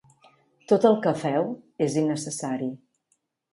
Tot el que feu és innecessari.